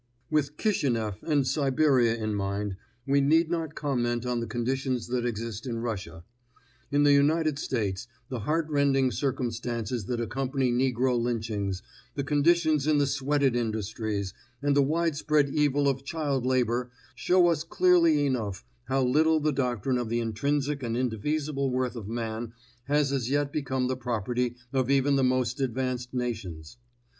With Kishineff and Siberia in mind, we need not comment on the conditions that exist in Russia. In the United States, the heartrending circumstances that accompany negro lynchings, the conditions in the sweated industries, and the widespread evil of child labor show us clearly enough how little the doctrine of the intrinsic and indefeasible worth of man has as yet become the property of even the most advanced nations.